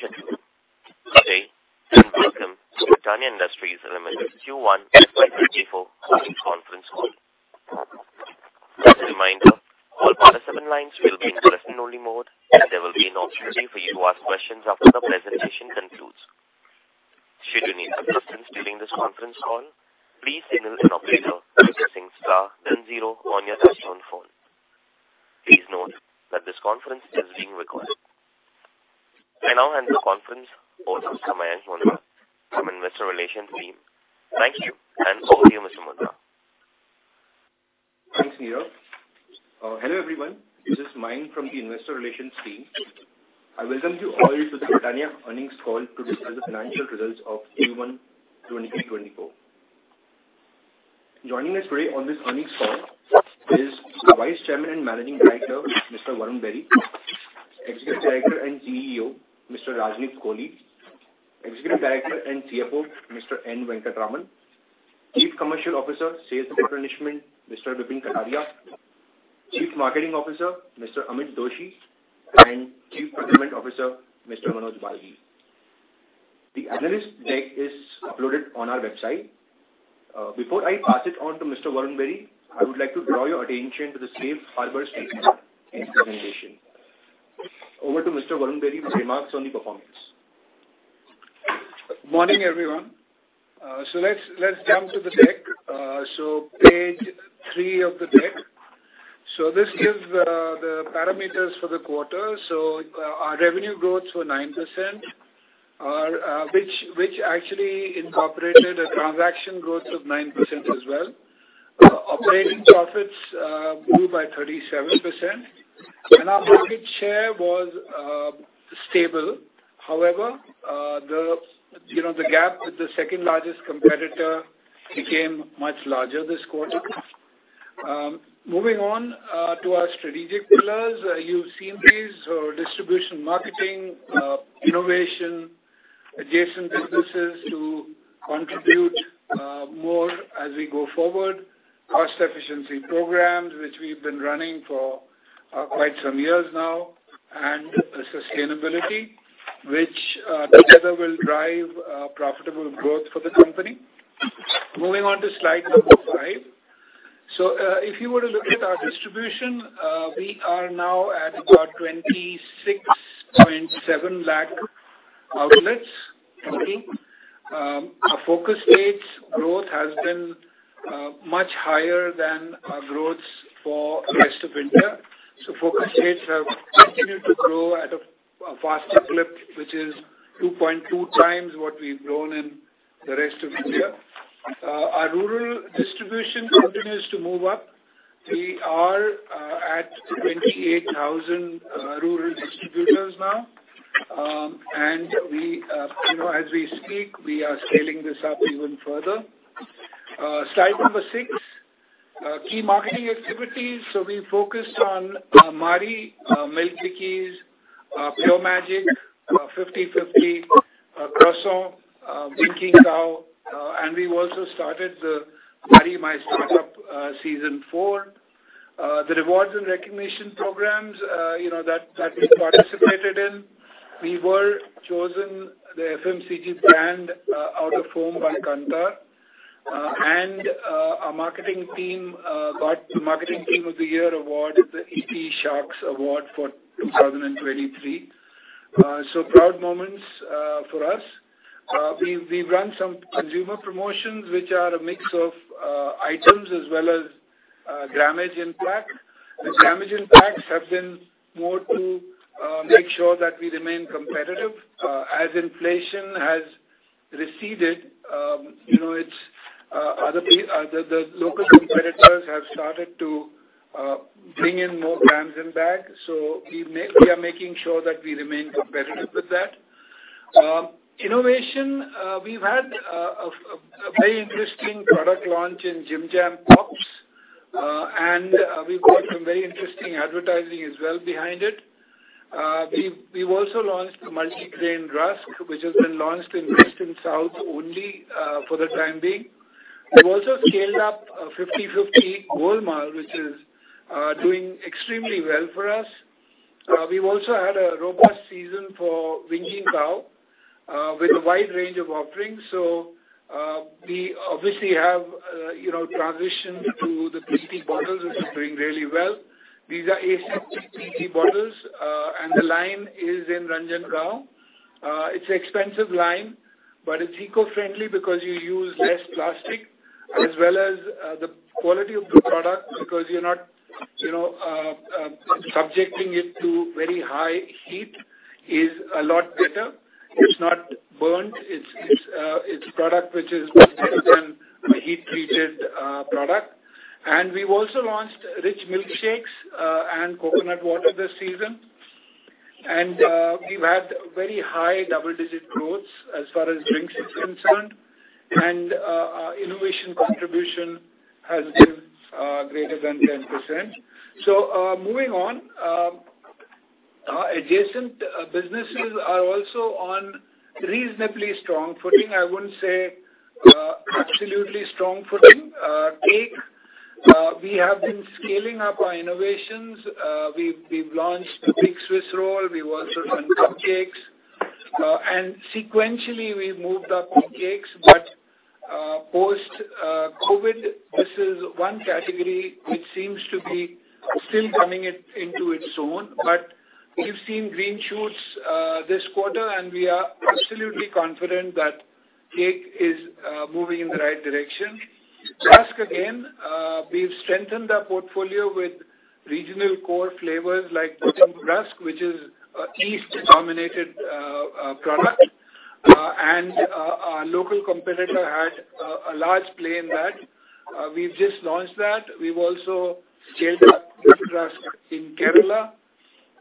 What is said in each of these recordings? Ladies and gentlemen, good day, and welcome to Britannia Industries Limited's Q1 FY 2024 earnings conference call. Just a reminder, all participant lines will be in listen-only mode, and there will be an opportunity for you to ask questions after the presentation concludes. Should you need assistance during this conference call, please signal an operator by pressing star then zero on your touchtone phone. Please note that this conference is being recorded. I now hand the conference over to Sambayan Mondal from Investor Relations team. Thank you. Over to you, Mr. Mondal. Thanks, Nirav. Hello, everyone. This is Samayan from the Investor Relations team. I welcome you all to the Britannia Earnings Call to discuss the financial results of Q1 2023, 2024. Joining us today on this earnings call is Vice Chairman and Managing Director, Mr. Varun Berry, Executive Director and CEO, Mr. Rajnish Kohli, Executive Director and CFO, Mr. N. Venkataraman, Chief Commercial Officer, Sales and Replenishment, Mr. Bipin Kataria, Chief Marketing Officer, Mr. Amit Doshi, and Chief Procurement Officer, Mr. Manoj Baghi. The analyst deck is uploaded on our website. Before I pass it on to Mr. Varun Berry, I would like to draw your attention to the safe harbor statement in presentation. Over to Mr. Varun Berry's remarks on the performance. Morning, everyone. Let's, let's jump to the deck. Page three of the deck. This gives the parameters for the quarter. Our revenue growths were 9%, which actually incorporated a transaction growth of 9% as well. Operating profits grew by 37%, and our market share was stable. However, the, you know, the gap with the second largest competitor became much larger this quarter. Moving on to our strategic pillars, you've seen these, distribution, marketing, innovation, adjacent businesses to contribute more as we go forward, cost efficiency programs, which we've been running for quite some years now, and sustainability, which together will drive profitable growth for the company. Moving on to slide number five. If you were to look at our distribution, we are now at about 26.7 lakh outlets counting. Our focus states growth has been much higher than our growths for the rest of India. Focus states have continued to grow at a faster clip, which is 2.2 times what we've grown in the rest of India. Our rural distribution continues to move up. We are at 28,000 rural distributors now. We, you know, as we speak, we are scaling this up even further. Slide number six, key marketing activities. We focused on Marie, Milk Bikis, Pure Magic, Fifty Fifty, Croissant, Winkin' Cow, and we also started the Marie My Startup season four. The rewards and recognition programs, you know, that, that we participated in, we were chosen the FMCG brand out-of-home by Kantar. Our marketing team got the Marketing Team of the Year award, the ET Shark Awards for 2023. Proud moments for us. We, we've run some consumer promotions, which are a mix of items as well as grammage in pack. The grammage in packs have been more to make sure that we remain competitive. As inflation has receded, you know, it's, the, the local competitors have started to bring in more grams in pack, we are making sure that we remain competitive with that. Innovation, we've had a very interesting product launch in Jim Jam Pops, and we've got some very interesting advertising as well behind it. We've also launched a Multigrain Rusk, which has been launched in Western South only for the time being. We've also scaled up Fifty Fifty Wholemeal, which is doing extremely well for us. We've also had a robust season for Winkin' Cow with a wide range of offerings. We obviously have transitioned to the PET bottles, which is doing really well. These are ASI PET bottles, and the line is in Ranjangaon. It's an expensive line, but it's eco-friendly because you use less plastic, as well as the quality of the product, because you're not, you know, subjecting it to very high heat, is a lot better. It's not burnt. It's, it's product which is much better than a heat-treated product. We've also launched Rich Milkshakes and Coconut Water this season. We've had very high double-digit growths as far as drinks is concerned, and our innovation contribution has been greater than 10%. Moving on, our adjacent businesses are also on reasonably strong footing. I wouldn't say absolutely strong footing. We have been scaling up our innovations. We've, we've launched the Big Swiss Roll. We've also done cupcakes. Sequentially, we've moved up to cakes, but post COVID, this is one category which seems to be still coming into its own. We've seen green shoots this quarter, and we are absolutely confident that cake is moving in the right direction. Rusk, again, we've strengthened our portfolio with regional core flavors, like Golden Rusk, which is a yeast-dominated product. Our local competitor had a large play in that. We've just launched that. We've also scaled up Rusk in Kerala.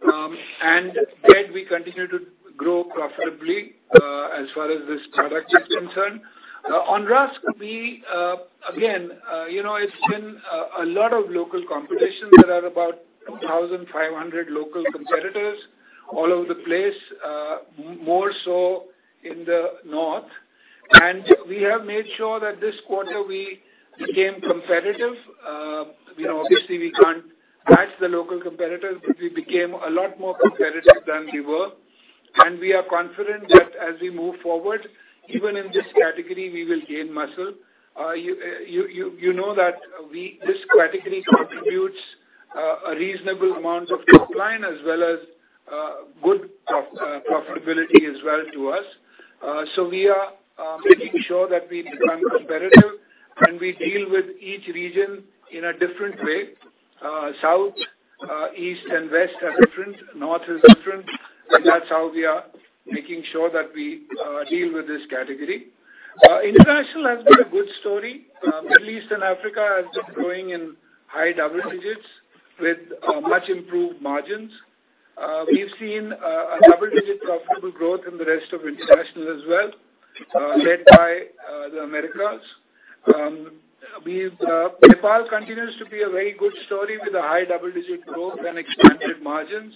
Bread, we continue to grow profitably as far as this product is concerned. On Rusk, we again, you know, it's been a lot of local competition. There are about 2,500 local competitors all over the place, more so in the north. We have made sure that this quarter we became competitive. You know, obviously, we can't match the local competitors, but we became a lot more competitive than we were. We are confident that as we move forward, even in this category, we will gain muscle. You know that we-- this category contributes a reasonable amount of top line, as well as good prof- profitability as well to us. So we are making sure that we become competitive, and we deal with each region in a different way. South, East, and West are different, North is different, and that's how we are making sure that we deal with this category. International has been a good story. Middle East and Africa has been growing in high double digits with much improved margins. We've seen a double-digit profitable growth in the rest of international as well, led by the Americas. Nepal continues to be a very good story with a high double-digit growth and expanded margins.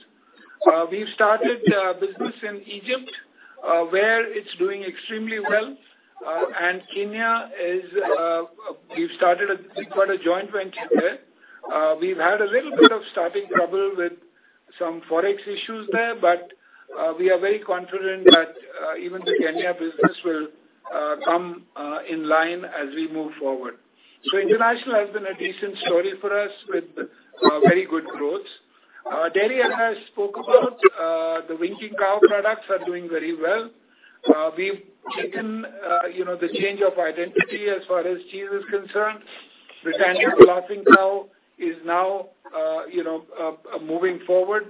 We've started business in Egypt, where it's doing extremely well. Kenya is, we've started a, quite a joint venture there. We've had a little bit of starting trouble with some Forex issues there, we are very confident that even the Kenya business will come in line as we move forward. International has been a decent story for us, with very good growth. Dairy, I has spoke about, the Winkin' Cow products are doing very well. We've taken, you know, the change of identity as far as cheese is concerned. The Laughing Cow is now, you know, moving forward,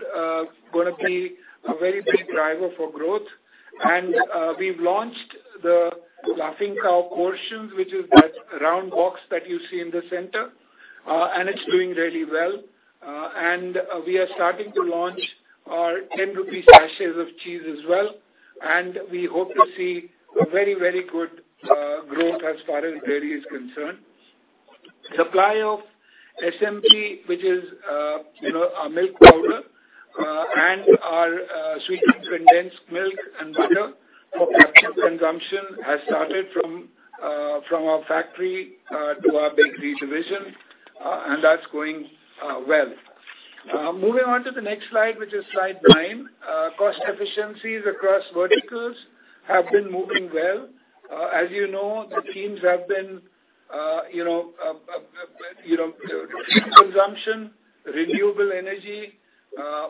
gonna be a very big driver for growth. We've launched The Laughing Cow portions, which is that round box that you see in the center, and it's doing really well. We are starting to launch our 10 rupee sachets of cheese as well, and we hope to see very, very good growth as far as dairy is concerned. Supply of SMP, which is, you know, our milk powder, and our sweetened condensed milk and butter. Consumption has started from, from our factory, to our bakery division, and that's going well. Moving on to the next slide, which is slide nine. Cost efficiencies across verticals have been moving well. As you know, the teams have been, you know, team consumption, renewable energy,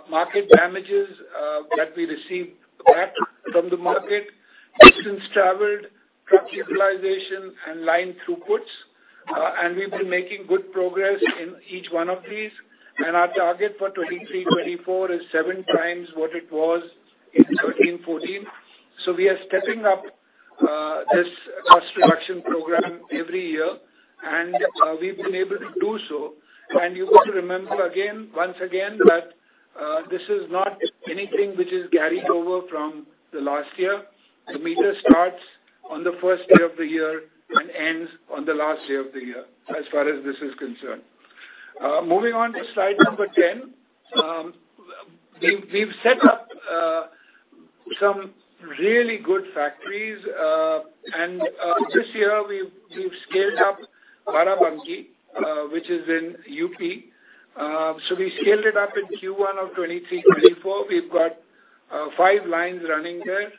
market damages, that we received back from the market, distance traveled, truck utilization, and line throughputs. We've been making good progress in each one of these. Our target for 2023, 2024 is seven times what it was in 2013, 2014. We are stepping up this cost reduction program every year, and we've been able to do so. You've got to remember again, once again, that this is not anything which is carried over from the last year. The meter starts on the 1st day of the year and ends on the last day of the year, as far as this is concerned. Moving on to slide number 10. We've set up some really good factories, and this year, we've scaled up Barabanki, which is in UP. We scaled it up in Q1 of 2023, 2024. We've got five lines running there,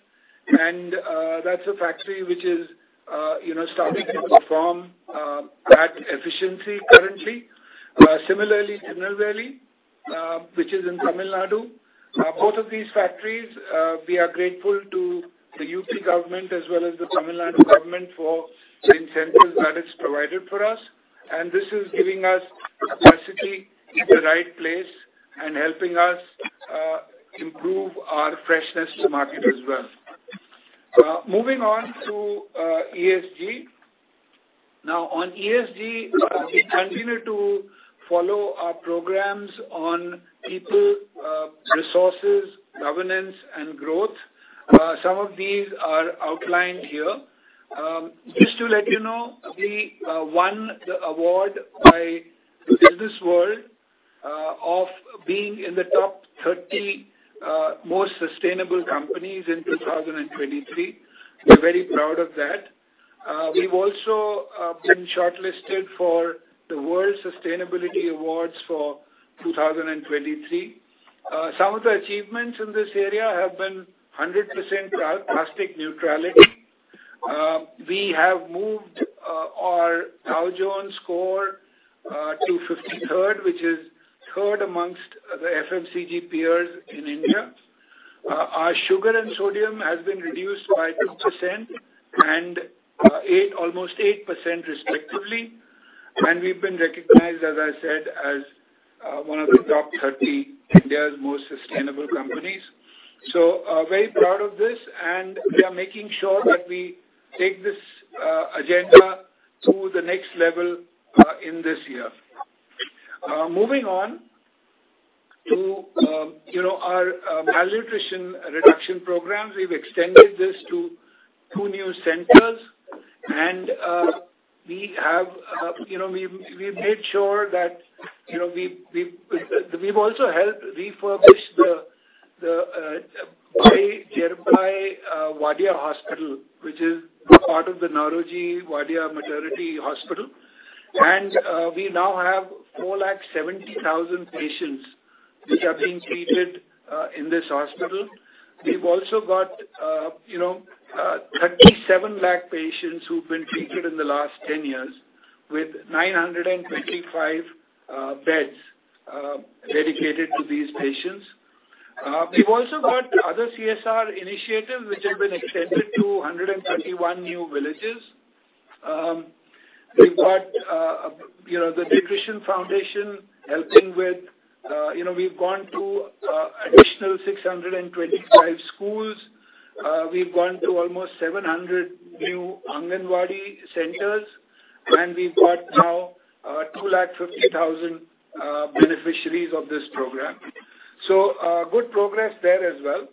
and that's a factory which is, you know, starting to perform at efficiency currently. Similarly, Tirunelveli, which is in Tamil Nadu. Both of these factories, we are grateful to the UP government as well as the Tamil Nadu government for the incentives that it's provided for us. This is giving us capacity in the right place and helping us improve our freshness to market as well. Moving on to ESG. On ESG, we continue to follow our programs on people, resources, governance, and growth. Some of these are outlined here. Just to let you know, we won the award by the BW Businessworld, being in the top 30 most sustainable companies in 2023. We're very proud of that. We've also been shortlisted for the World Sustainability Awards for 2023. Some of the achievements in this area have been 100% plastic neutrality. We have moved our Dow Jones score to 53rd, which is third amongst the FMCG peers in India. Our sugar and sodium has been reduced by 2% and eight, almost 8%, respectively. We've been recognized, as I said, as one of the top 30 India's most sustainable companies. Very proud of this, and we are making sure that we take this agenda to the next level in this year. Moving on to, you know, our malnutrition reduction programs. We've extended this to two new centers. We have, you know, we, we made sure that, you know, we've, we've, we've also helped refurbish the Bai Jerbai Wadia Hospital, which is part of the Nowrosjee Wadia Maternity Hospital. We now have 470,000 patients which are being treated in this hospital. We've also got, you know, 3,700,000 patients who've been treated in the last 10 years, with 925 beds dedicated to these patients. We've also got other CSR initiatives which have been extended to 131 new villages. We've got, you know, the Nutrition Foundation helping with, you know, we've gone to additional 625 schools. We've gone to almost 700 new Anganwadi centers, and we've got now 250,000 beneficiaries of this program. Good progress there as well.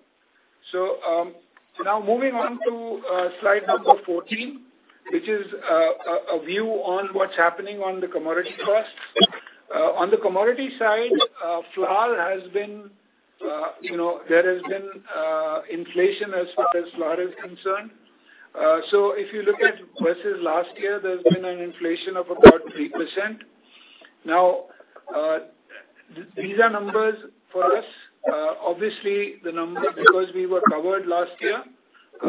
Now moving on to slide number 14, which is a view on what's happening on the commodity costs. On the commodity side, flour has been, you know, there has been inflation as far as flour is concerned. If you look at versus last year, there's been an inflation of about 3%. Now, these are numbers for us. Obviously, the numbers, because we were covered last year,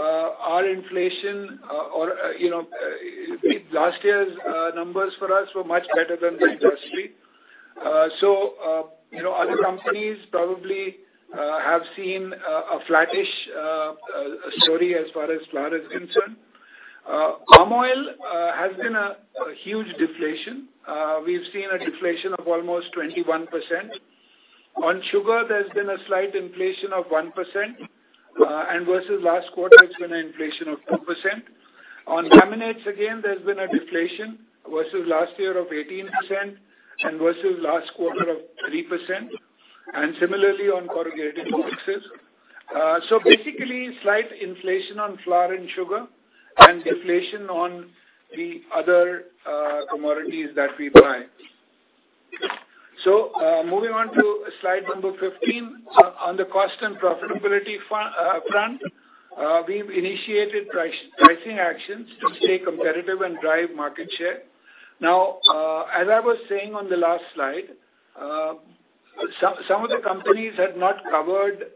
our inflation, or, you know, last year's numbers for us were much better than the industry. You know, other companies probably have seen a flattish story as far as flour is concerned. Palm oil has been a huge deflation. We've seen a deflation of almost 21%. On sugar, there's been a slight inflation of 1%, and versus last quarter, it's been an inflation of 2%. On laminates, again, there's been a deflation versus last year of 18% and versus last quarter of 3%, and similarly on corrugated boxes. Basically, slight inflation on flour and sugar and deflation on the other commodities that we buy. Moving on to slide number 15. On the cost and profitability front, we've initiated pricing actions to stay competitive and drive market share. Now, as I was saying on the last slide, some, some of the companies had not covered,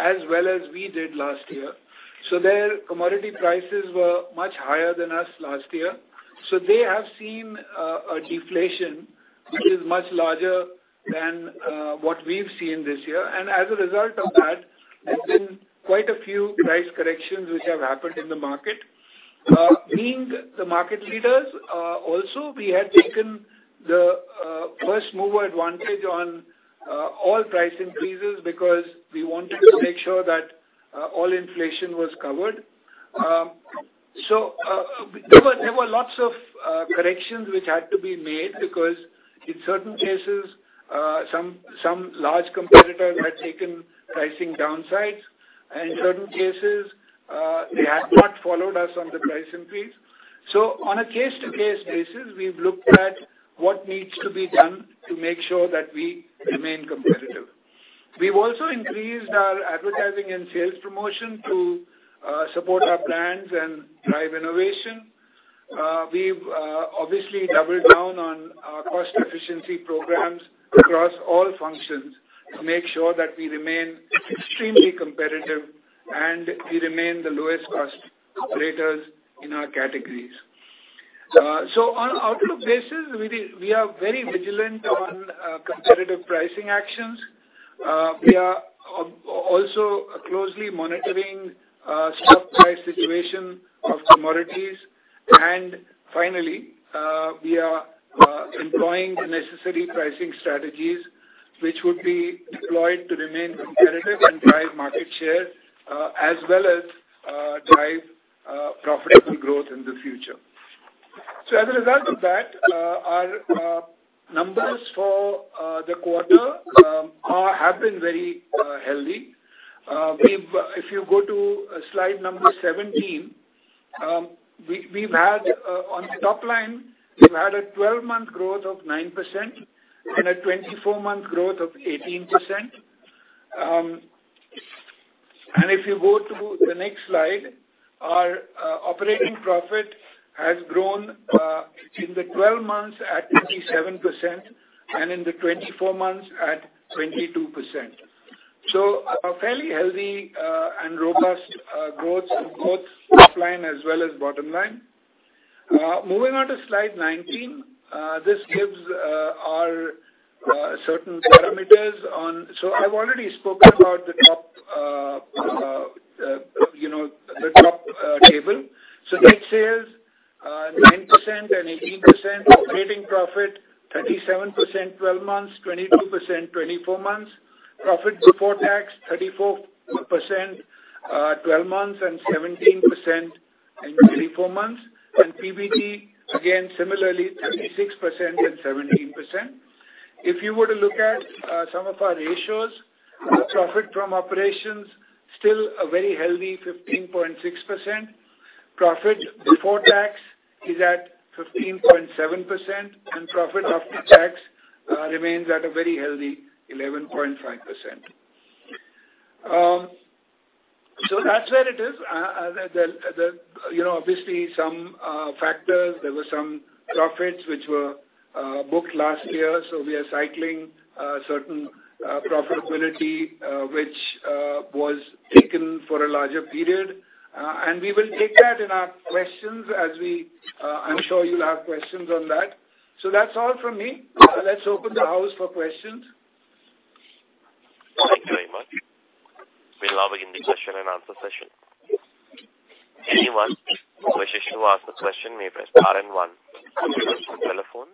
as well as we did last year, so their commodity prices were much higher than us last year. They have seen a deflation which is much larger than what we've seen this year. As a result of that, there's been quite a few price corrections which have happened in the market. Being the market leaders, also, we had taken the first mover advantage on all price increases because we wanted to make sure that all inflation was covered. There were, there were lots of corrections which had to be made because in certain cases, some, some large competitors had taken pricing downsides, and in certain cases, they had not followed us on the price increase. On a case-to-case basis, we've looked at what needs to be done to make sure that we remain competitive. We've also increased our A&SP to support our brands and drive innovation. We've obviously doubled down on our cost efficiency programs across all functions to make sure that we remain extremely competitive, and we remain the lowest cost operators in our categories. On outlook basis, we are very vigilant on competitive pricing actions. We are also closely monitoring stock price situation of commodities. Finally, we are employing the necessary pricing strategies, which would be deployed to remain competitive and drive market share, as well as drive profitable growth in the future. As a result of that, our numbers for the quarter have been very healthy. If you go to slide number 17. We've had on the top line, we've had a 12-month growth of 9% and a 24-month growth of 18%. If you go to the next slide, our operating profit has grown in the 12 months at 27% and in the 24 months at 22%. A fairly healthy and robust growth, both top line as well as bottom line. Moving on to slide 19, this gives our certain parameters on. I've already spoken about the top, you know, the top table. Net sales, 9% and 18%. Operating profit, 37%, 12 months, 22%, 24 months. Profit before tax, 34%, 12 months, and 17% in 24 months. PBT, again, similarly, 36% and 17%. If you were to look at some of our ratios, profit from operations, still a very healthy 15.6%. Profit before tax is at 15.7%, and profit after tax remains at a very healthy 11.5%. That's where it is. The, the, you know, obviously some factors, there were some profits which were booked last year, so we are cycling certain profitability which was taken for a larger period. We will take that in our questions as we, I'm sure you'll have questions on that. That's all from me. Let's open the house for questions. Thank you very much. We'll now begin the question and answer session. Anyone who wishes to ask a question, may press star and 1 on your telephone.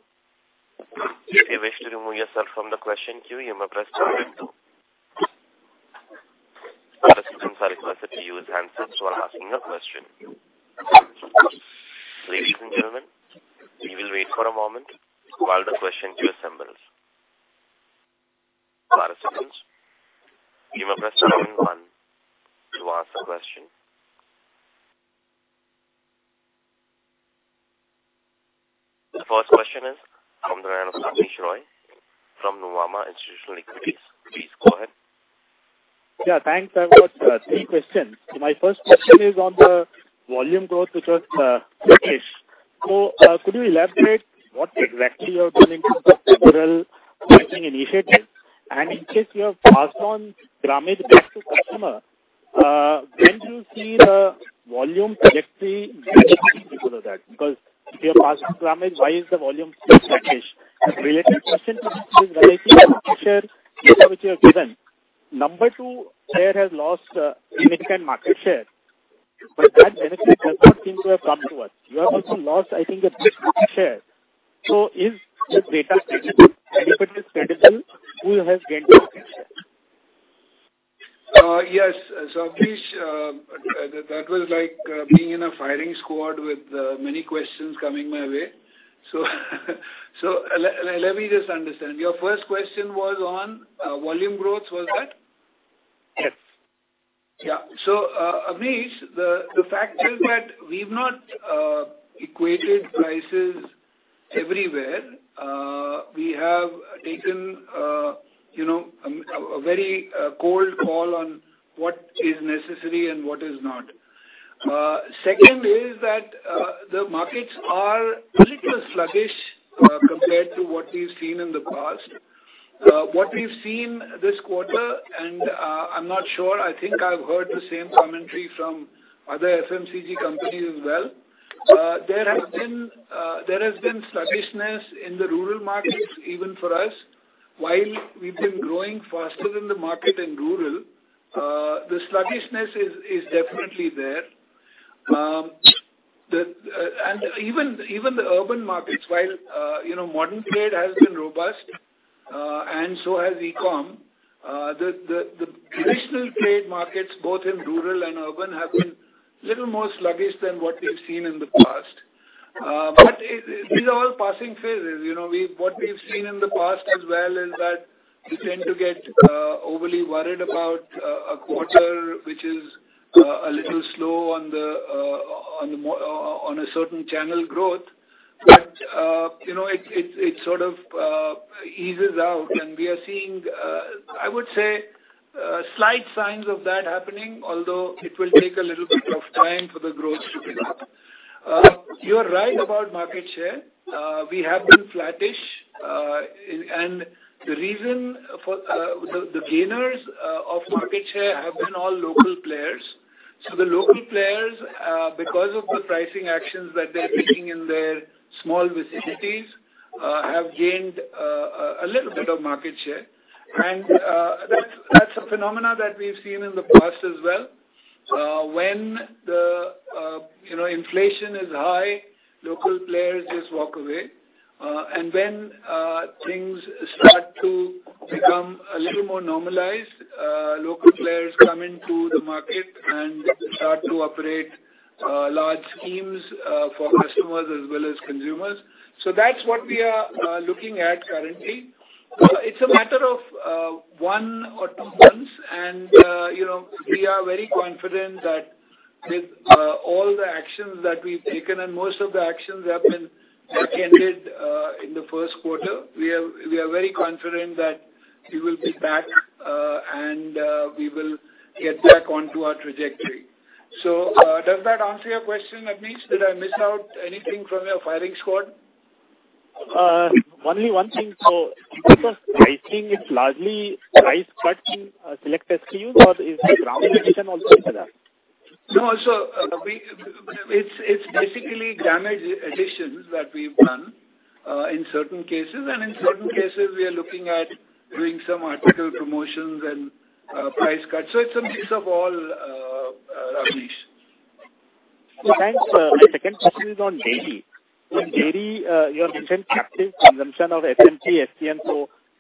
If you wish to remove yourself from the question queue, you may press star and two. Participants are requested to use handsets while asking a question. Ladies and gentlemen, we will wait for a moment while the question queue assembles. Participants, you may press star and one to ask a question. The first question is from the line of Abneesh Roy from Nomura Institutional Equities. Please go ahead. Yeah, thanks. I have three questions. My first question is on the volume growth, which was sluggish. Could you elaborate what exactly you are doing to the overall pricing initiative? In case you have passed on grammage back to customer, when do you see the volume trajectory benefit because of that? Because if you have passed grammage, why is the volume still sluggish? Related question to this is related to market share, data which you have given. Number two, share has lost significant market share, that benefit does not seem to have come to us. You have also lost, I think, a share. Is this data credible, anybody credible who has gained market share? Yes, so Abneesh Roy, that, that was like, being in a firing squad with, many questions coming my way. Let me just understand. Your first question was on volume growth, was that? Yes. Yeah. Abneesh, the fact is that we've not equated prices everywhere. We have taken, you know, a very cold call on what is necessary and what is not. Second is that the markets are little sluggish compared to what we've seen in the past. What we've seen this quarter, and I'm not sure, I think I've heard the same commentary from other FMCG companies as well. There have been there has been sluggishness in the rural markets, even for us. While we've been growing faster than the market in rural, the sluggishness is definitely there. Even, even the urban markets, while, you know, modern trade has been robust, and so has e-com, the, the, the traditional trade markets, both in rural and urban, have been little more sluggish than what we've seen in the past. It, these are all passing phases. You know, what we've seen in the past as well is that we tend to get overly worried about a quarter which is a little slow on the on a certain channel growth. You know, it, it, it sort of eases out, and we are seeing, I would say, slight signs of that happening, although it will take a little bit of time for the growth to pick up. You are right about market share. We have been flattish, the reason for the gainers of market share have been all local players. The local players, because of the pricing actions that they're taking in their small vicinities, have gained a little bit of market share. That's, that's a phenomena that we've seen in the past as well. When the, you know, inflation is high, local players just walk away. When things start to become a little more normalized, local players come into the market and start to operate large schemes for customers as well as consumers. That's what we are looking at currently. It's a matter of one or two months.... You know, we are very confident that with all the actions that we've taken, and most of the actions have been attended in the first quarter, we are, we are very confident that we will be back, and we will get back onto our trajectory. Does that answer your question, Abnish? Did I miss out anything from your firing squad? Only one thing. In terms of pricing, it's largely price cut in select SKUs, or is it damage addition also there? It's, it's basically damage additions that we've done in certain cases, and in certain cases, we are looking at doing some article promotions and price cuts. It's a mix of all, Abneesh. Thanks. My second question is on dairy. In dairy, you have mentioned captive consumption of FMC, FCN.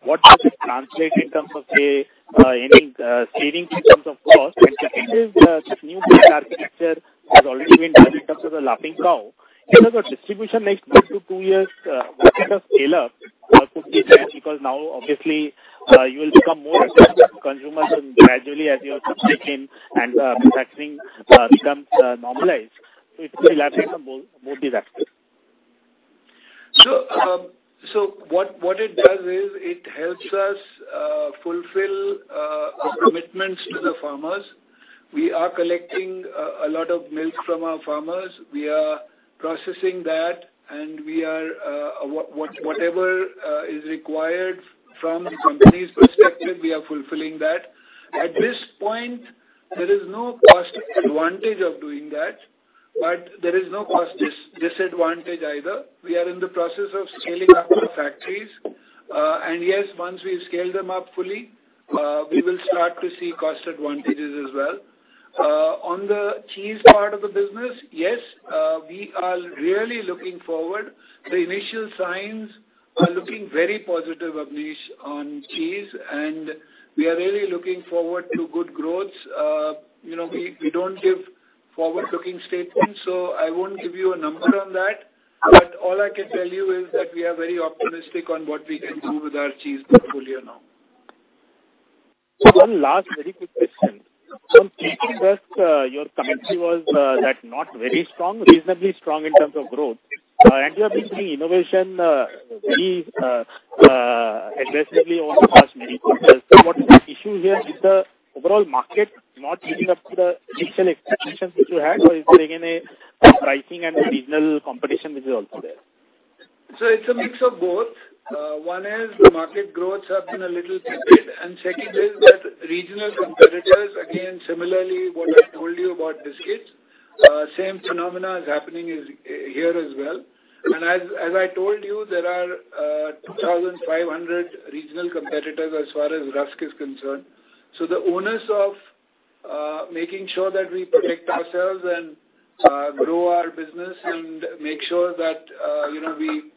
What does it translate in terms of, say, any savings in terms of cost? Captive, new architecture has already been done in terms of The Laughing Cow. In terms of distribution next one-two years, what kind of scale-up or could be achieved? Now, obviously, you will become more accessible to consumers and gradually as your subscription and manufacturing becomes normalized, so it will affect the more, more directly. What it does is, it helps us fulfill our commitments to the farmers. We are collecting a lot of milk from our farmers. We are processing that, and we are whatever is required from the company's perspective, we are fulfilling that. At this point, there is no cost advantage of doing that, but there is no cost disadvantage either. We are in the process of scaling up the factories. Yes, once we've scaled them up fully, we will start to see cost advantages as well. On the cheese part of the business, yes, we are really looking forward. The initial signs are looking very positive, Abnish, on cheese, and we are really looking forward to good growth. You know, we, we don't give forward-looking statements, so I won't give you a number on that. All I can tell you is that we are very optimistic on what we can do with our cheese portfolio now. One last very quick question. Taking Rusk, your commentary was that not very strong, reasonably strong in terms of growth, and you have been seeing innovation very aggressively over the past many quarters. What is the issue here? Is the overall market not living up to the digital expectations which you had, or is there again, a pricing and regional competition, which is also there? It's a mix of both. One is, the market growths have been a little tepid, and second is that regional competitors, again, similarly, what I told you about biscuits, same phenomena is happening here as well. As I told you, there are 2,500 regional competitors as far as Rusk is concerned. The owners of making sure that we protect ourselves and grow our business and make sure that, you know, we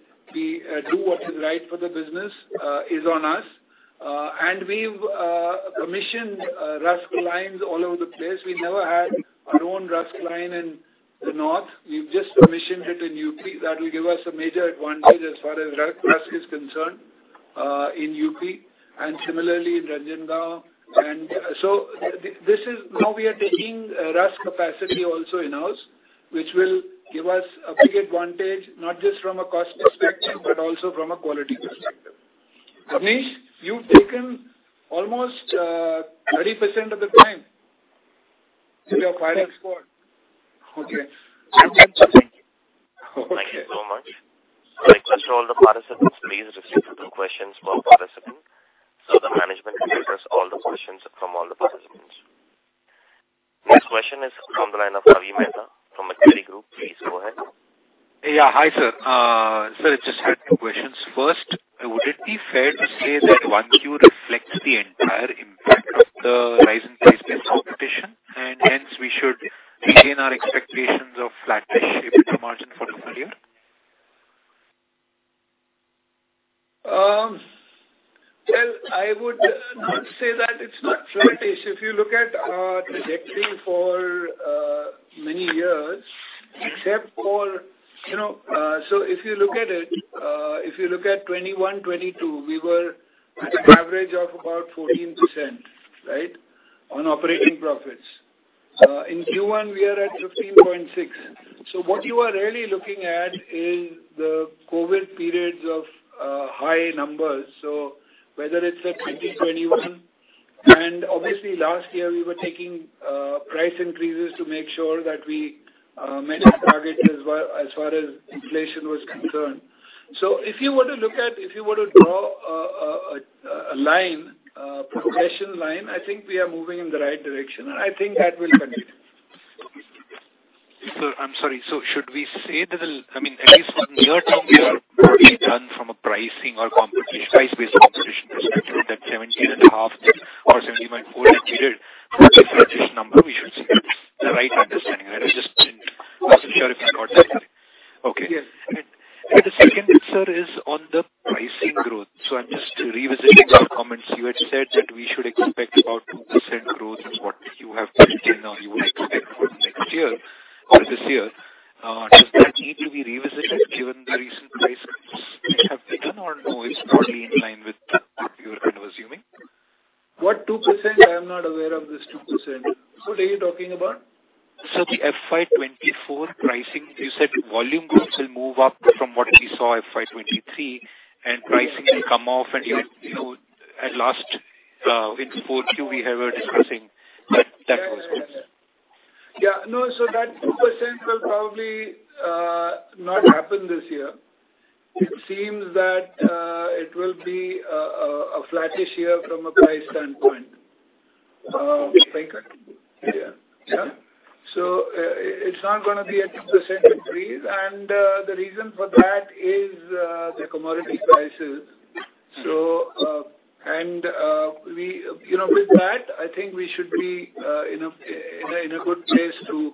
do what is right for the business is on us. We've commissioned Rusk lines all over the place. We never had our own Rusk line in the north. We've just commissioned it in UP. That will give us a major advantage as far as Rusk is concerned in UP, and similarly in Ranjangaon. Now we are taking Rusk capacity also in-house, which will give us a big advantage, not just from a cost perspective, but also from a quality perspective. Abneesh, you've taken almost 30% of the time in your firing squad. Okay. Thank you. Thank you so much. I request all the participants, please restrict your questions per participant, so the management can address all the questions from all the participants. Next question is from the line of Ravi Mehta from Equity Group. Please go ahead. Yeah, hi, sir. sir, I just had two questions. First, would it be fair to say that once you reflect the entire impact of the rise in price-based competition, hence we should maintain our expectations of flatish EBITDA margin for the full year? Well, I would not say that it's not flatish. If you look at our trajectory for many years, except for, you know, if you look at it, if you look at 2021, 2022, we were at an average of about 14%, right, on operating profits. In Q1, we are at 15.6%. What you are really looking at is the COVID periods of high numbers. Whether it's a 2020-2021, and obviously last year, we were taking price increases to make sure that we managed targets as well, as far as inflation was concerned. If you were to look at if you were to draw a line, progression line, I think we are moving in the right direction, and I think that will continue. Sir, I'm sorry. Should we say that, I mean, at least from near term, we are already done from a pricing or price-based competition perspective, that 17.5 or 71.4 period, for this number, we should say, the right understanding? I just wasn't sure if I got that correct. Okay. Yes. The second, sir, is on the pricing growth. I'm just revisiting some comments. You had said that we should expect about 2% growth is what you have built in, or you would expect for next year or this year. Does that need to be revisited given the recent-... is broadly in line with you were kind of assuming? What 2%? I am not aware of this 2%. What are you talking about? The FY 2024 pricing, you said volume groups will move up from what we saw in FY 2023, and pricing will come off. You know, at last, in 4Q, we were discussing that, that was good. Yeah. No, so that 2% will probably not happen this year. It seems that it will be a flattish year from a price standpoint. Yeah. Yeah. It, it's not gonna be a 2% increase, and the reason for that is the commodity prices. We, you know, with that, I think we should be in a good place to,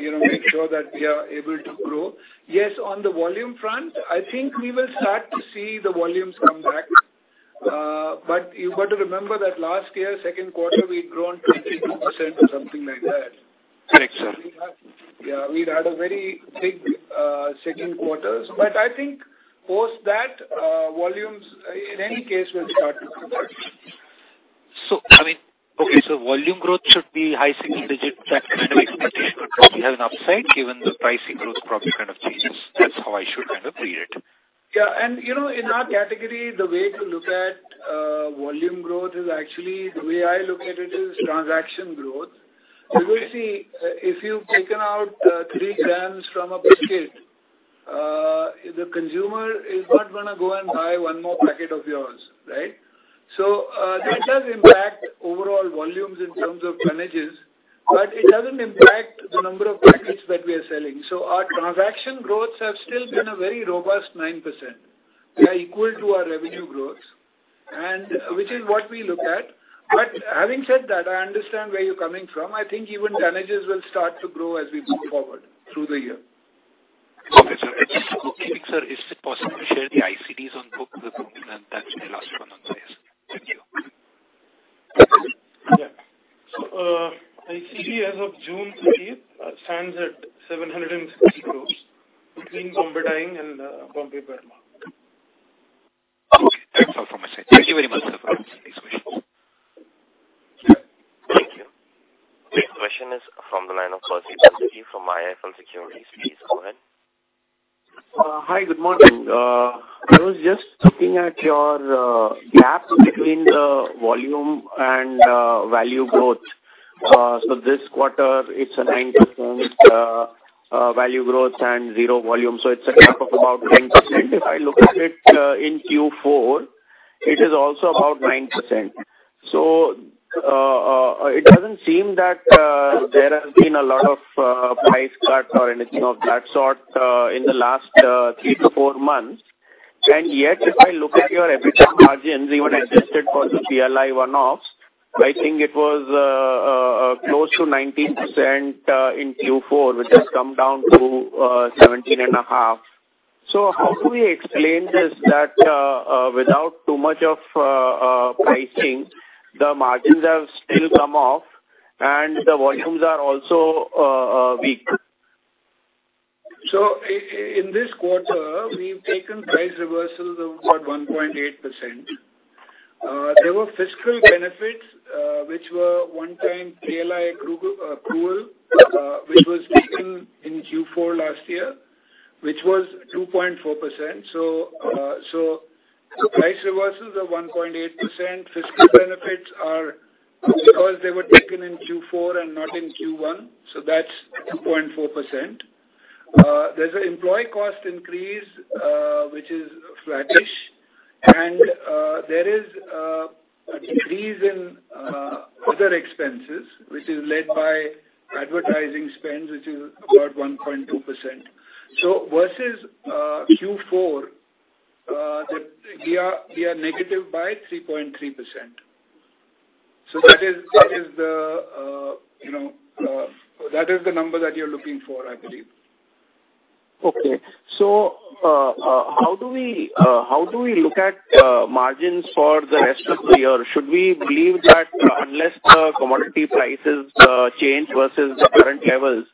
you know, make sure that we are able to grow. Yes, on the volume front, I think we will start to see the volumes come back. You've got to remember that last year, second quarter, we'd grown 22% or something like that. Correct, sir. Yeah, we'd had a very big second quarters. I think post that, volumes in any case will start to come back. I mean, okay, so volume growth should be high single digits. That kind of expectation should probably have an upside, given the pricing growth probably kind of changes. That's how I should kind of read it. Yeah, and, you know, in our category, the way to look at, volume growth is actually the way I look at it is transaction growth. You will see, if you've taken out, three grams from a biscuit, the consumer is not gonna go and buy one more packet of yours, right? That does impact overall volumes in terms of tonnages, but it doesn't impact the number of packets that we are selling. Our transaction growths have still been a very robust 9%. They are equal to our revenue growths, and which is what we look at. Having said that, I understand where you're coming from. I think even tonnages will start to grow as we move forward through the year. Okay, sir. Just to confirm, sir, is it possible to share the ICDs on book? That's my last one on the list. Thank you. Yeah. ICD as of June 30th stands at 760 crore between Bombay Dyeing and Bombay Burma. Okay. That's all from my side. Thank you very much, sir, for this question. Thank you. The question is from the line of from IIFL Securities Limited. Please go ahead. Hi, good morning. I was just looking at your gap between the volume and value growth. This quarter, it's a 9% value growth and zero volume, so it's a gap of about 10%. If I look at it in Q4, it is also about 9%. It doesn't seem that there has been a lot of price cuts or anything of that sort in the last three to four months. Yet, if I look at your EBITDA margins, even adjusted for the CLI one-offs, I think it was close to 19% in Q4, which has come down to 17.5%. how do we explain this, that, without too much of, pricing, the margins have still come off and the volumes are also, weak? In this quarter, we've taken price reversals of about 1.8%. There were fiscal benefits, which were one-time CLI, cool, which was taken in Q4 last year, which was 2.4%. Price reversals are 1.8%. Fiscal benefits are because they were taken in Q4 and not in Q1, so that's 2.4%. There's an employee cost increase, which is flattish, and there is a decrease in other expenses, which is led by advertising spends, which is about 1.2%. Versus Q4, we are negative by 3.3%. That is, that is the, you know, that is the number that you're looking for, I believe. Okay. How do we look at margins for the rest of the year? Should we believe that unless the commodity prices change versus the current levels,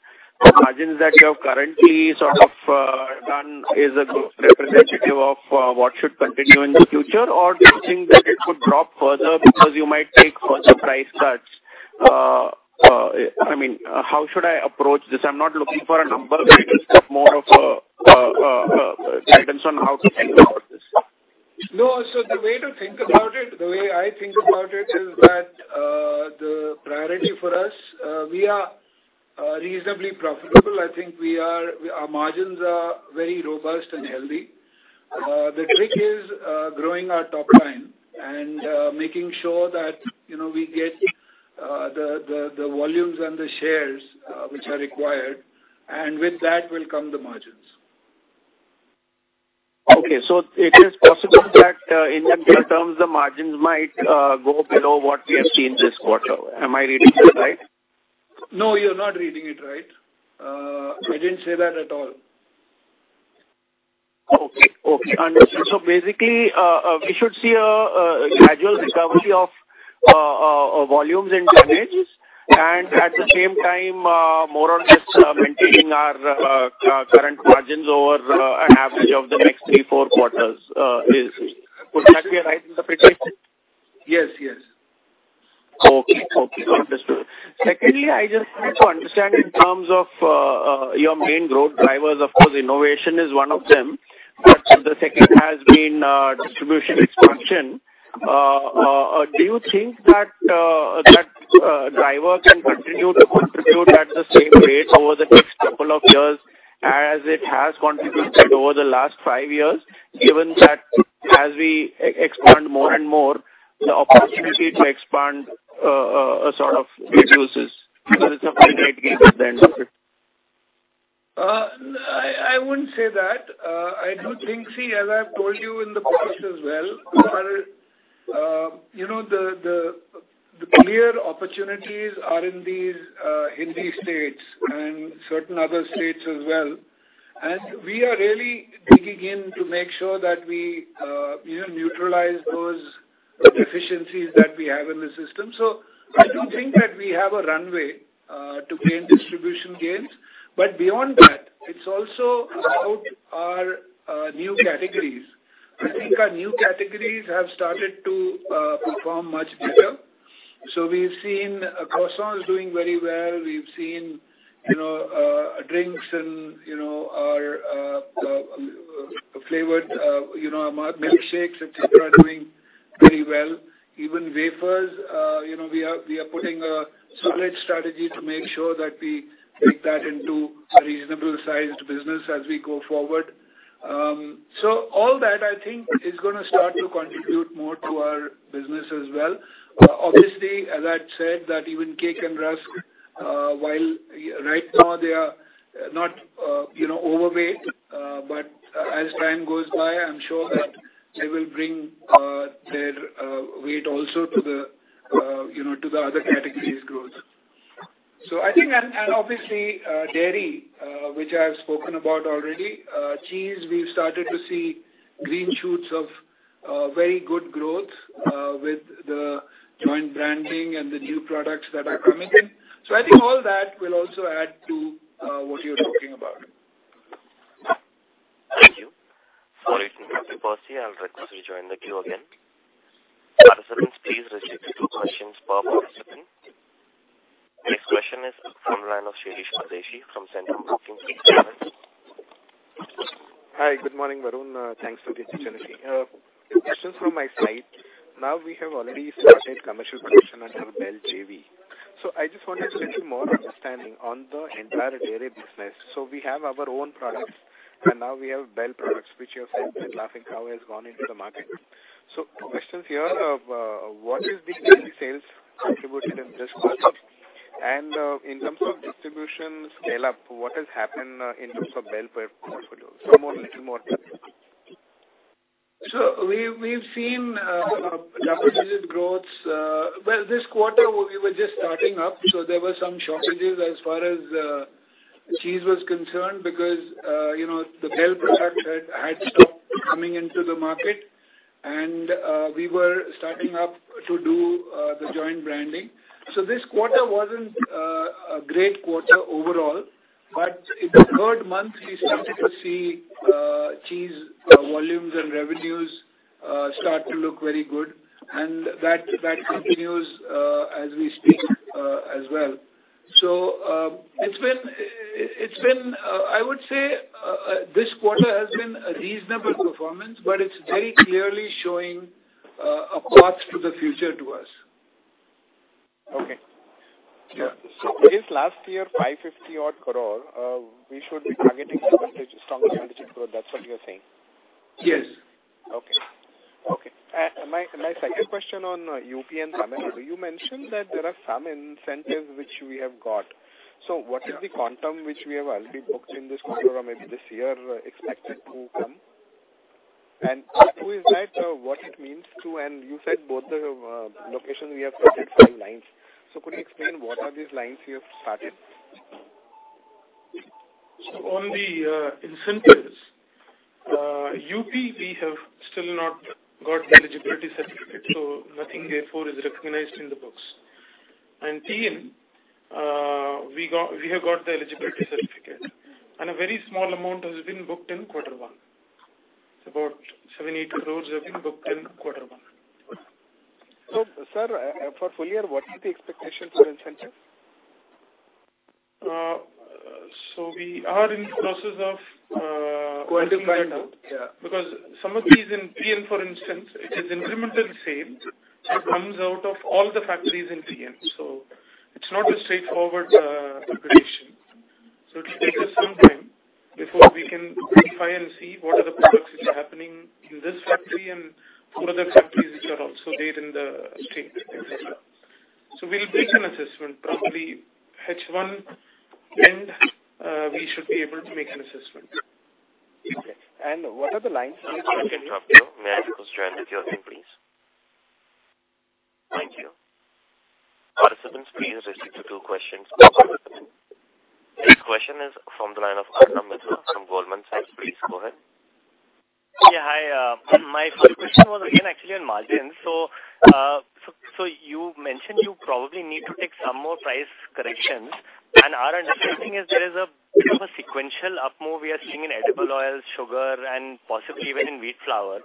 the margins that you have currently sort of done is a good representative of what should continue in the future? Do you think that it would drop further because you might take further price cuts? I mean, how should I approach this? I'm not looking for a number, but more of a guidance on how to think about this. No, the way to think about it, the way I think about it is that, the priority for us, we are, reasonably profitable. I think we are, our margins are very robust and healthy. The trick is, growing our top line and, making sure that, you know, we get, the, the, the volumes and the shares, which are required, and with that will come the margins. Okay. It is possible that, in net terms, the margins might go below what we have seen this quarter. Am I reading that right? No, you're not reading it right. I didn't say that at all. Okay. Okay, understood. Basically, we should see a gradual recovery of volumes and tonnage, and at the same time, more or less, maintaining our current margins over an average of the next three, four quarters, would that be right in the prediction? Yes, yes. Okay. Okay, understood. Secondly, I just want to understand in terms of your main growth drivers, of course, innovation is one of them, but the second has been distribution expansion. Do you think that driver can continue to contribute at the same rate over the next couple of years as it has contributed over the last five years, given that as we expand more and more, the opportunity to expand sort of reduces because it's a finite game at the end of it? I, I wouldn't say that. I do think, see, as I've told you in the past as well, you know, the, the, the clear opportunities are in these Hindi states and certain other states as well. We are really digging in to make sure that we, you know, neutralize those efficiencies that we have in the system. I do think that we have a runway to gain distribution gains. Beyond that, it's also about our new categories. I think our new categories have started to perform much better. We've seen croissants doing very well. We've seen, you know, drinks and, you know, flavored, you know, milkshakes, et cetera, doing pretty well. Even wafers, you know, we are, we are putting a solid strategy to make sure that we take that into a reasonable sized business as we go forward. All that, I think, is gonna start to contribute more to our business as well. Obviously, as I've said, that even cake and rusk, while right now they are not, you know, overweight, but as time goes by, I'm sure that they will bring their weight also to the, you know, to the other categories growth. So I think. Obviously, dairy, which I have spoken about already, cheese, we've started to see green shoots of very good growth with the joint branding and the new products that are coming in. I think all that will also add to what you're talking about. Thank you. For your complete policy, I'll request you to join the queue again. Participants, please restrict to two questions per participant. Next question is from the line of Shirish Desai from Centrum Broking Limited. Hi, good morning, Varun. Thanks for the opportunity. Two questions from my side. We have already started commercial production at our Bel JV. I just wanted a little more understanding on the entire dairy business. We have our own products, and now we have Bel products, which you have said that The Laughing Cow has gone into the market. Questions here, of, what is the daily sales contributed in this quarter? In terms of distribution scale-up, what has happened, in terms of Bel portfolio? More, little more detail. We've, we've seen double-digit growths. Well, this quarter, we were just starting up, so there were some shortages as far as cheese was concerned, because, you know, the Bel product had, had stopped coming into the market, and we were starting up to do the joint branding. This quarter wasn't a great quarter overall, but in the third month, we started to see cheese volumes and revenues start to look very good, and that, that continues as we speak as well. It's been, it's been, I would say, this quarter has been a reasonable performance, but it's very clearly showing a path to the future to us. Okay. Yeah. It is last year, 550 odd crore, we should be targeting some strong growth. That's what you're saying? Yes. Okay. Okay. My, my 2nd question on UP and Tamil, you mentioned that there are some incentives which we have got. Yeah. What is the quantum which we have already booked in this quarter or maybe this year expected to come? Is that what it means to... You said both the location, we have started some lines. Could you explain what are these lines you have started? On the incentives, UP, we have still not got the eligibility certificate, so nothing therefore is recognized in the books. TN, we have got the eligibility certificate, and a very small amount has been booked in quarter one. It's about 7 crore-8 crore have been booked in quarter one. Sir, for full year, what is the expectation for incentive? We are in the process of. Going to find out, yeah. Some of these in TN, for instance, it is incremental sale, so it comes out of all the factories in TN. It's not a straightforward calculation. It will take us some time before we can verify and see what are the products which are happening in this factory and four other factories which are also there in the state. We'll make an assessment, probably H1 end, we should be able to make an assessment. Okay. What are the lines- One moment, I'll stop you. May I just go straight to the other thing, please? Thank you. Participants, please restrict to two questions. This question is from the line of Anna Mitchell from Goldman Sachs. Please go ahead.... my first question was again, actually on margin. You mentioned you probably need to take some more price corrections. Our understanding is there is a bit of a sequential up move we are seeing in edible oil, sugar, and possibly even in wheat flour.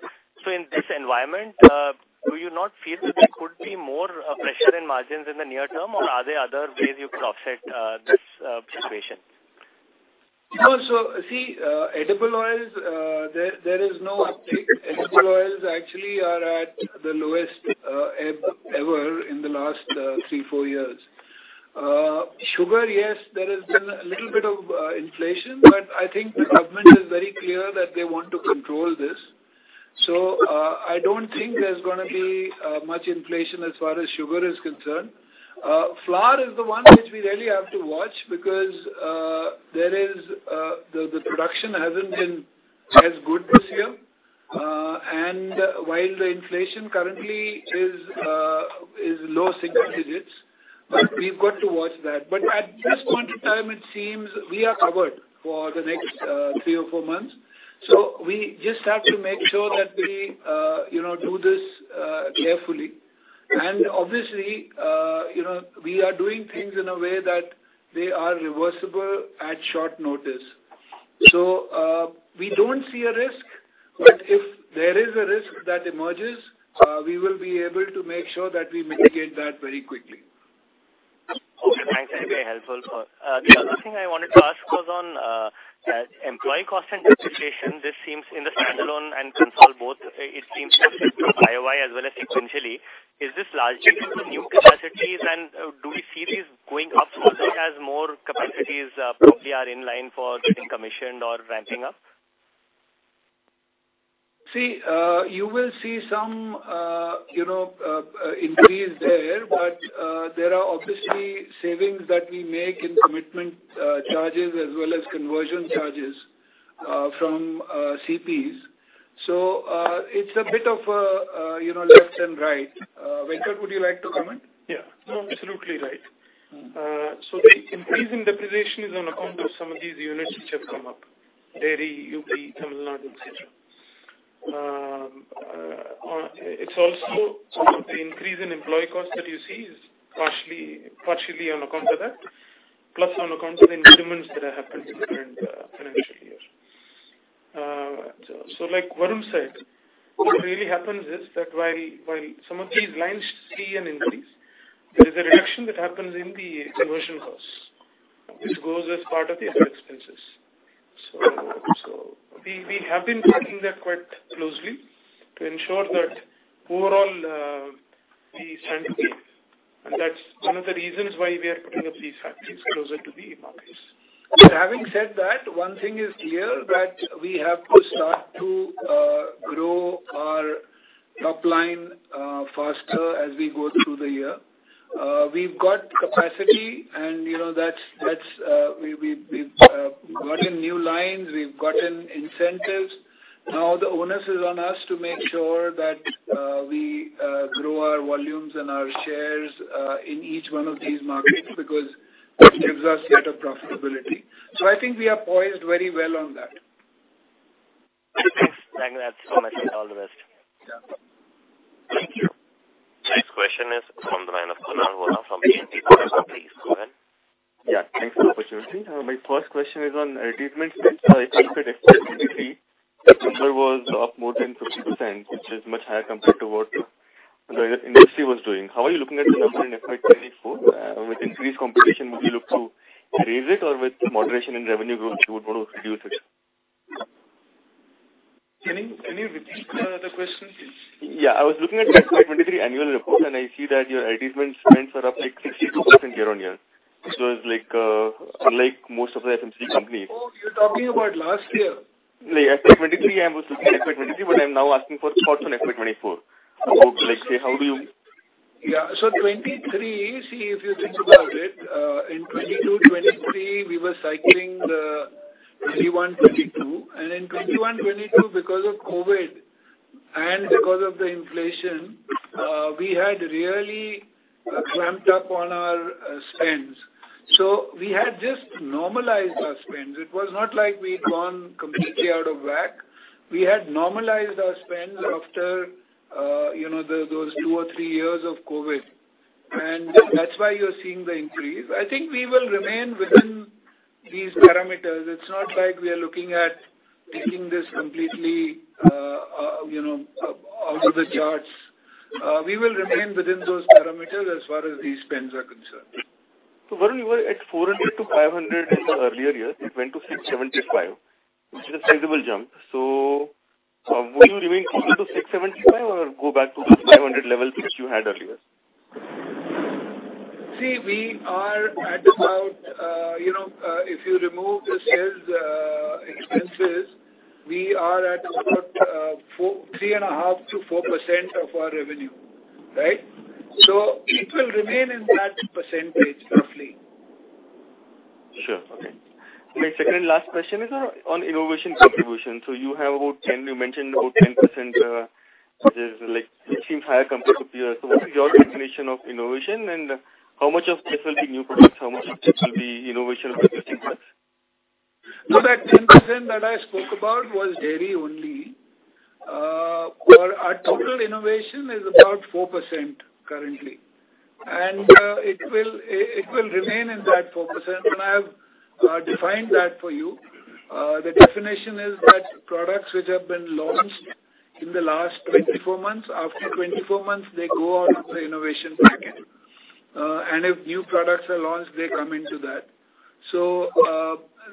In this environment, do you not feel that there could be more pressure in margins in the near term, or are there other ways you could offset this situation? No. See, edible oils, there, there is no uptake. Edible oils actually are at the lowest, ever, ever in the last, three, four years. Sugar, yes, there has been a little bit of, inflation, but I think the government is very clear that they want to control this. I don't think there's gonna be, much inflation as far as sugar is concerned. Flour is the one which we really have to watch, because, there is, the, the production hasn't been as good this year. While the inflation currently is, is low single digits, but we've got to watch that. At this point in time, it seems we are covered for the next, three or four months. We just have to make sure that we, you know, do this, carefully. Obviously, you know, we are doing things in a way that they are reversible at short notice. We don't see a risk, but if there is a risk that emerges, we will be able to make sure that we mitigate that very quickly. Okay, thanks. Very helpful. The other thing I wanted to ask was on employee cost and depreciation. This seems in the standalone and console, both, it seems to be YoY as well as sequentially. Is this largely new capacities? Do we see this going up also as more capacities probably are in line for getting commissioned or ramping up? You will see some, you know, increase there. There are obviously savings that we make in commitment charges as well as conversion charges from CPs. It's a bit of, you know, left and right. Venkat, would you like to comment? Yeah. No, absolutely right. The increase in depreciation is on account of some of these units which have come up, Dairy, UP, Tamil Nadu, et cetera. It's also some of the increase in employee costs that you see is partially, partially on account of that, plus on account of the increments that have happened in the current financial year. Like Varun said, what really happens is that while, while some of these lines see an increase, there is a reduction that happens in the conversion costs, which goes as part of the other expenses. We, we have been tracking that quite closely to ensure that overall, we stand to give, and that's one of the reasons why we are putting up these factories closer to the markets. Having said that, one thing is clear, that we have to start to grow our top line faster as we go through the year. We've got capacity and, you know, that's, that's, we, we've gotten new lines, we've gotten incentives. Now, the onus is on us to make sure that we grow our volumes and our shares in each one of these markets, because that gives us better profitability. I think we are poised very well on that. Thanks. Thank you so much. All the best. Yeah. Thank you. Next question is from the line of Kunal Vora from BNP Paribas. Please go ahead. Yeah, thanks for the opportunity. My first question is on advertisement spend. If you could explain, September was up more than 50%, which is much higher compared to what the industry was doing. How are you looking at the number in FY 2024? With increased competition, would you look to raise it, or with moderation in revenue growth, you would want to reduce it? Can you, can you repeat the question, please? Yeah. I was looking at FY 2023 annual report, and I see that your advertisement spends are up, like, 62% year-on-year. Which was like, unlike most of the FMCG companies. Oh, you're talking about last year? FY 2023. I was looking at FY 2023, but I'm now asking for thoughts on FY 2024. About, like, say, how do you- Yeah. 2023, see, if you think about it, in 2022, 2023, we were cycling the 2021, 2022. In 2021, 2022, because of COVID and because of the inflation, we had really clamped up on our spends. We had just normalized our spends. It was not like we'd gone completely out of whack. We had normalized our spends after, you know, those two or three years of COVID, and that's why you're seeing the increase. I think we will remain within these parameters. It's not like we are looking at taking this completely, you know, off of the charts. We will remain within those parameters as far as these spends are concerned. When we were at 400-500 in the earlier years, it went to 675, which is a sizable jump. Will you remain closer to 675 or go back to the 500 levels which you had earlier? See, we are at about, you know, if you remove the sales expenses, we are at about 3.5%-4% of our revenue, right? It will remain in that percentage, roughly. Sure. Okay. My second and last question is on, on innovation contribution. You have about 10, you mentioned about 10%, which is like, it seems higher compared to previous. What is your definition of innovation, and how much of this will be new products? How much of this will be innovation by existing products? That 10% that I spoke about was dairy only. Our total innovation is about 4% currently, and it will remain in that 4%, and I have defined that for you. The definition is that products which have been launched in the last 24 months, after 24 months, they go out of the innovation packet. If new products are launched, they come into that.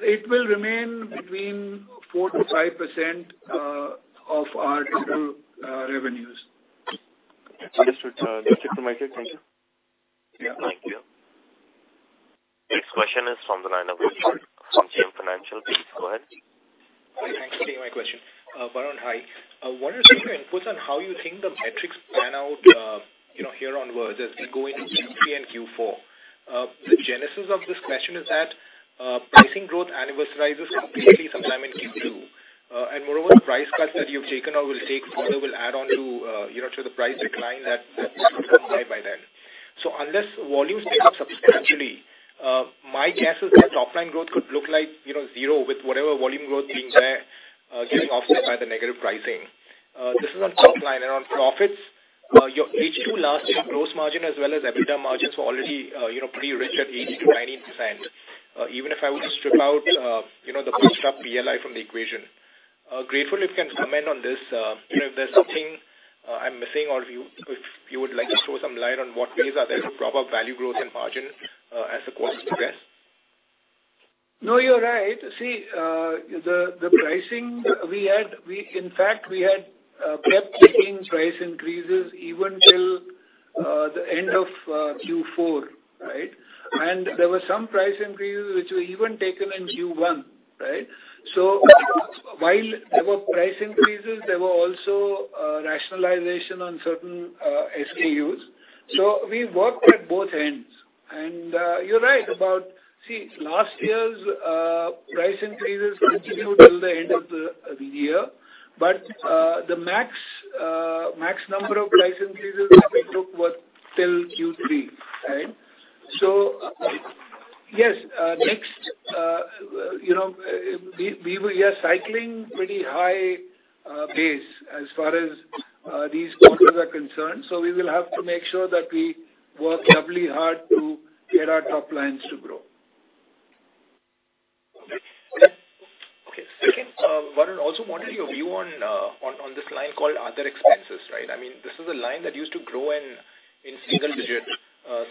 It will remain between 4%-5% of our total revenues. Understood, thank you for my question. Thank you. Thank you. Next question is from the line of Richard from CM Financial. Please go ahead. Hi, thanks for taking my question. Varun, hi. I wanted to get your inputs on how you think the metrics pan out, you know, here onwards as we go into Q3 and Q4. The genesis of this question is that pricing growth annualizes completely sometime in Q2. Moreover, the price cuts that you've taken or will take further will add on to, you know, to the price decline that, that could come by then. Unless volumes pick up substantially, my guess is that top line growth could look like, you know, zero, with whatever volume growth being there, getting offset by the negative pricing. This is on top line and on profits. Your H2 last year gross margin, as well as EBITDA margins, were already, you know, pretty rich at 80%-90%. Even if I were to strip out, you know, the bootstrap PLI from the equation. Grateful if you can comment on this, you know, if there's something, I'm missing or if you, if you would like to throw some light on what ways are there to proper value growth and margin, as the quarter progress? No, you're right. See, the pricing we had, in fact, we had kept taking price increases even till the end of Q4, right? There were some price increases which were even taken in Q1, right? While there were price increases, there were also rationalization on certain SKUs. We worked at both ends. You're right about... See, last year's price increases continued till the end of the year. The max number of price increases that we took was till Q3, right? Yes, next, you know, we are cycling pretty high base as far as these quarters are concerned. We will have to make sure that we work doubly hard to get our top lines to grow. Okay. Varun, also wanted your view on, on, on this line called other expenses, right? I mean, this is a line that used to grow in, in single digits,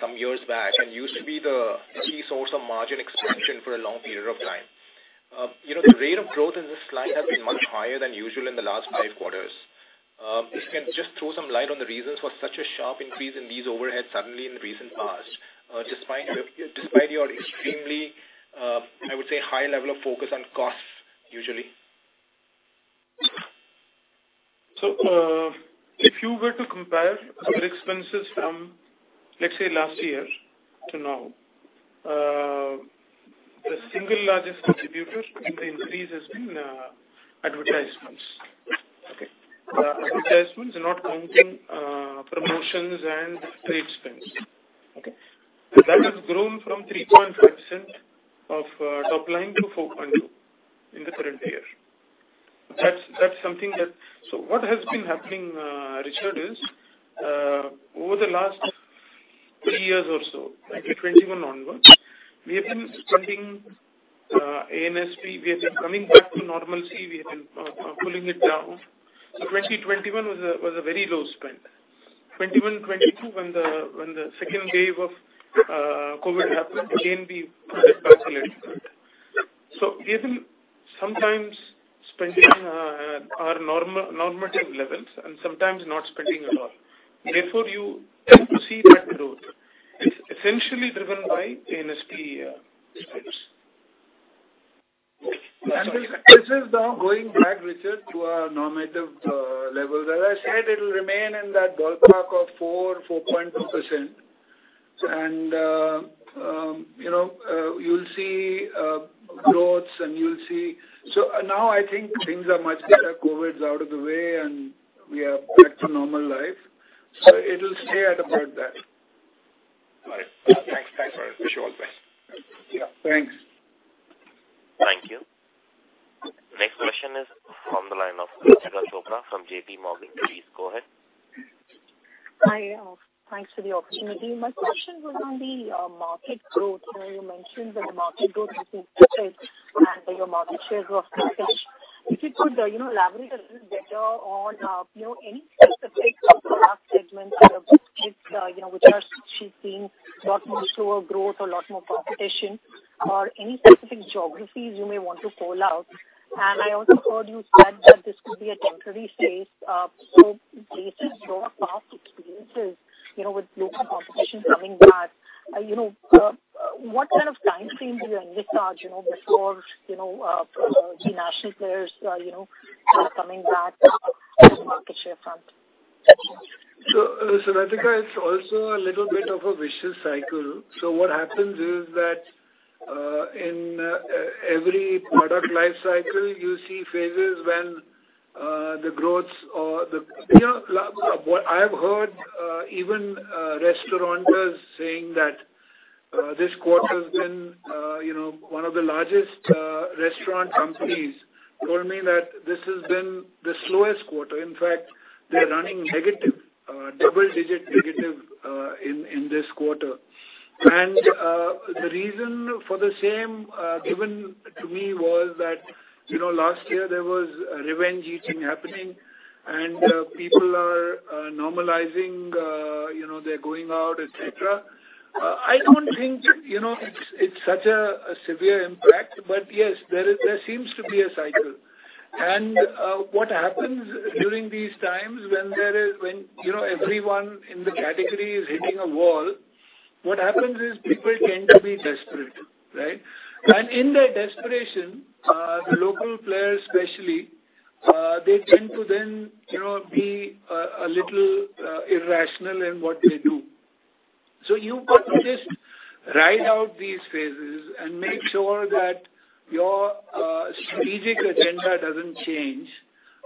some years back, and used to be the key source of margin expansion for a long period of time. you know, the rate of growth in this line has been much higher than usual in the last five quarters. if you can just throw some light on the reasons for such a sharp increase in these overheads suddenly in recent past, despite your, despite your extremely, I would say, high level of focus on costs, usually. If you were to compare our expenses from, let's say, last year to now, the single largest contributor in the increase has been, advertisements. Okay. Advertisements are not counting, promotions and trade spends. Okay. That has grown from 3.5% of top line to 4.2% in the current year. That's, that's something that. What has been happening, Richard, is over the last three years or so, 2021 onwards, we have been spending A&SP. We have been coming back to normalcy. We have been pulling it down. 2021 was a, was a very low spend. 2021, 2022, when the, when the second wave of COVID happened, again, we dispatched a little bit. Even sometimes spending are normal, normative levels and sometimes not spending at all. Therefore, you tend to see that growth. It's essentially driven by A&SP spends. This is now going back, Richard, to our normative level. As I said, it will remain in that ballpark of four, 4.2%. You know, you'll see growths and you'll see... Now I think things are much better. COVID's out of the way, and we are back to normal life, so it will stay at about that. All right. Thanks. Thanks. Wish you all the best. Yeah, thanks. Thank you. Next question is from the line of Latika Chopra from JPMorgan. Please go ahead. Hi, thanks for the opportunity. My question was on the market growth. You know, you mentioned that the market growth has increased, and your market shares were increased. If you could, you know, elaborate a little better on, you know, any specific product segments, you know, which are, which have seen a lot more slower growth or lot more competition, or any specific geographies you may want to call out. I also heard you said that this could be a temporary phase. Based on your past experiences, you know, with local competition coming back, you know, what kind of time frame do you anticipate, you know, before, you know, the national players, you know, coming back to the market share front? Ritika, it's also a little bit of a vicious cycle. What happens is that, in every product life cycle, you see phases when the growths or the, you know, what I've heard, even restaurateurs saying that this quarter's been, you know, one of the largest restaurant companies told me that this has been the slowest quarter. In fact, they're running negative, double digit negative, in this quarter. The reason for the same, given to me was that, you know, last year there was a revenge eating happening, and people are normalizing, you know, they're going out, et cetera. I don't think, you know, it's, it's such a severe impact. Yes, there is, there seems to be a cycle. What happens during these times when there is, when, you know, everyone in the category is hitting a wall, what happens is people tend to be desperate, right? In their desperation, the local players especially, they tend to then, you know, be a little irrational in what they do. You've got to just ride out these phases and make sure that your strategic agenda doesn't change,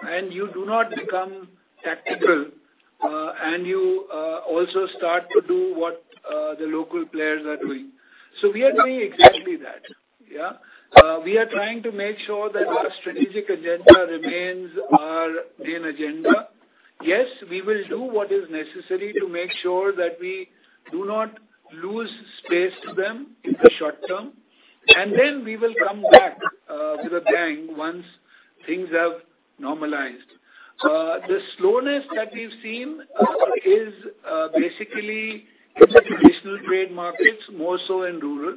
and you do not become tactical, and you also start to do what the local players are doing. We are doing exactly that, yeah. We are trying to make sure that our strategic agenda remains our main agenda. Yes, we will do what is necessary to make sure that we do not lose space to them in the short term, then we will come back with a bang once things have normalized. The slowness that we've seen is basically in the traditional trade markets, more so in rural.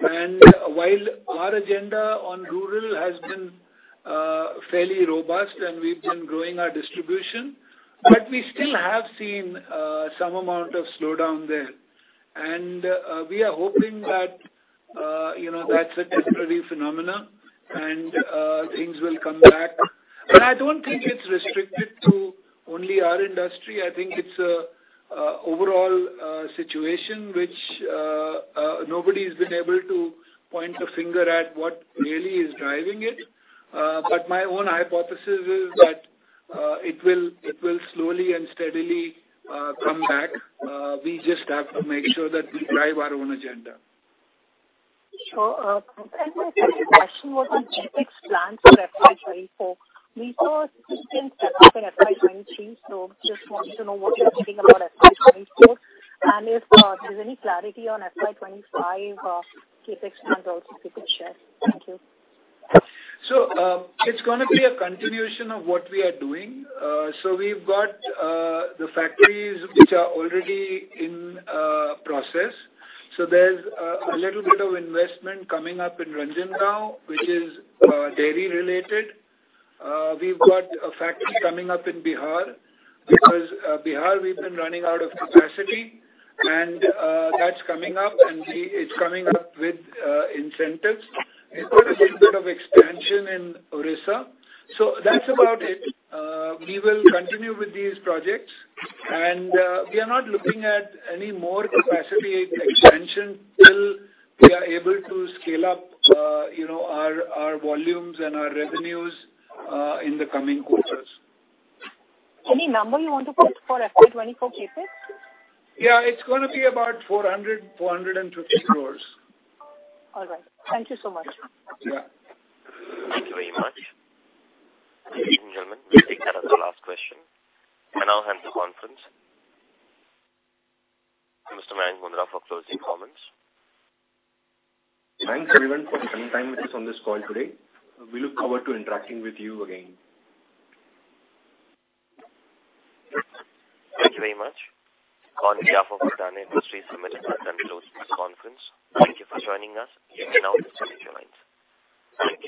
While our agenda on rural has been fairly robust and we've been growing our distribution, but we still have seen some amount of slowdown there. We are hoping that, you know, that's a temporary phenomena and things will come back. I don't think it's restricted to only our industry. I think it's a overall situation which nobody's been able to point a finger at what really is driving it. My own hypothesis is that it will slowly and steadily come back. We just have to make sure that we drive our own agenda. Sure. My second question was on CapEx plans for FY 2024. We saw system step up in FY 2023, so just wanted to know what you're thinking about FY 2024. If there's any clarity on FY 2025, CapEx plans also, if you could share. Thank you. It's gonna be a continuation of what we are doing. We've got the factories which are already in process. There's a little bit of investment coming up in Ranjangaon now, which is dairy related. We've got a factory coming up in Bihar, because Bihar, we've been running out of capacity, and that's coming up, and it's coming up with incentives. We've got a little bit of expansion in Orissa. That's about it. We will continue with these projects, and we are not looking at any more capacity expansion till we are able to scale up, you know, our, our volumes and our revenues in the coming quarters. Any number you want to put for FY 2024 CapEx? Yeah, it's gonna be about 400 crores, 450 crores. All right. Thank you so much. Yeah. Thank you very much. Ladies and gentlemen, we take that as the last question. I now end the conference. Mr. N. Venkataraman for closing comments. Thanks, everyone, for spending time with us on this call today. We look forward to interacting with you again. Thank you very much. On behalf of Britannia Industries, I'm ending and closing this conference. Thank you for joining us. You may now disconnect your lines. Thank you.